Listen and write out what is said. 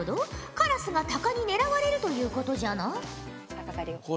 カラスが鷹に狙われるということじゃな？